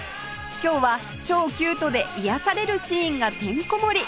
今日は超キュートで癒やされるシーンがてんこ盛り